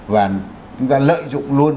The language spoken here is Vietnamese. và chúng ta lợi dụng luôn